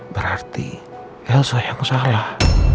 berarti elsa yang salah